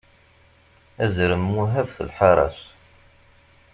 Azrem muhabet lḥaṛa-s.